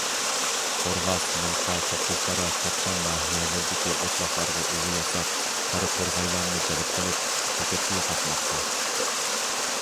قورغاس، نىلقا، توققۇزتارا، چاپچال ناھىيەلىرىدىكى ئوتلاقلارغا ئۇۋا ياساپ قارا تورغايلارنى جەلپ قىلىپ، چېكەتكە يوقاتماقتا.